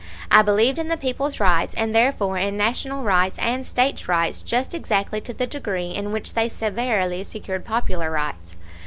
I believed in the people's rights, and therefore in National rights and States' rights just exactly to the degree in which they severally secured popular rights.